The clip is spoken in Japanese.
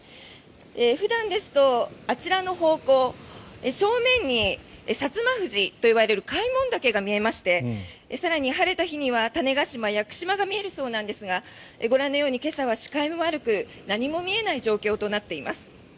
普段ですと、あちらの方向正面に薩摩富士といわれる開聞岳が見えまして更に、晴れた日には種子島、屋久島が見えるそうなんですが現在はご覧のように視界も悪く何も見えない状況となっています。